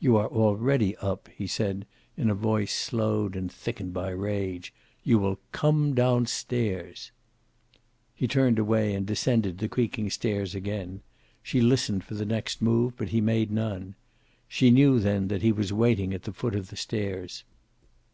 "You are already up," he said, in a voice slowed and thickened by rage. "You will come down stairs." He turned away and descended the creaking stairs again. She listened for the next move, but he made none. She knew then that he was waiting at the foot of the stairs.